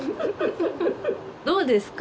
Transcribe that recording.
どうですか？